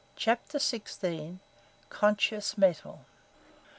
CHAPTER XVI. CONSCIOUS METAL!